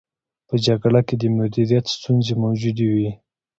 په جګړه کې د مدیریت ستونزې موجودې وې.